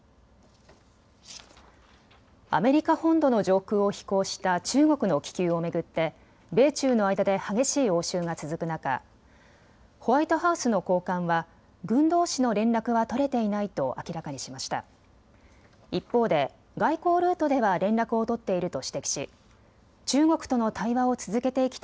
アメリカ本土の上空を飛行した中国の気球を巡って米中の間で激しい応酬が続く中、ホワイトハウスの高官は軍どうしの連絡は取れていないと明らかにしました。